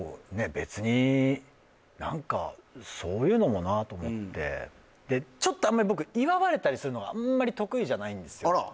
別に何かそういうのもなと思ってでちょっとあんまり僕祝われたりするのがあんまり得意じゃないんですよあら！